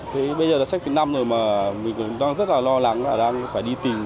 thế bây giờ là sách thứ năm rồi mà mình đang rất là lo lắng là đang phải đi tìm